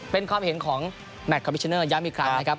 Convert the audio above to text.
เป็นความเห็นของแมทคอมพิชเนอร์ย้ำอีกครั้งนะครับ